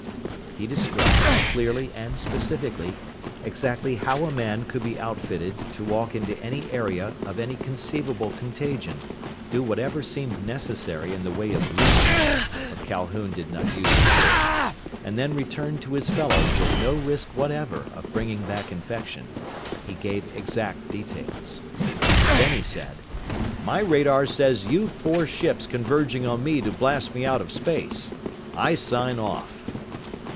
He described, clearly and specifically, exactly how a man could be outfitted to walk into any area of any conceivable contagion, do whatever seemed necessary in the way of looting but Calhoun did not use the word and then return to his fellows with no risk whatever of bringing back infection. He gave exact details. Then he said, "My radar says you've four ships converging on me to blast me out of space. I sign off."